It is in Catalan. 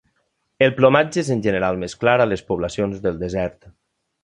El plomatge és en general més clar a les poblacions del desert.